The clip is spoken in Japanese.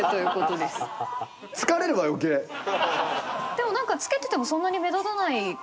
でも何か着けててもそんなに目立たないから。